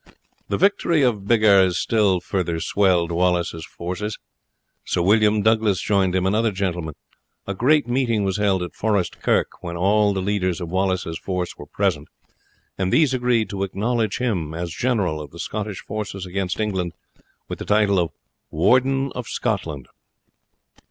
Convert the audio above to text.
The victory of Biggar still further swelled Wallace's forces. Sir William Douglas joined him, and other gentlemen. A great meeting was held at Forest Kirk, when all the leaders of Wallace's force were present; and these agreed to acknowledge him as general of the Scottish forces against England, with the title of Warden of Scotland.